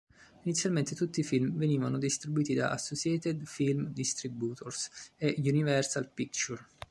Inizialmente tutti i film venivano distribuiti da Associated Film Distributors e Universal Pictures.